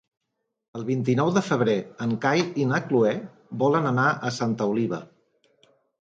El vint-i-nou de febrer en Cai i na Cloè volen anar a Santa Oliva.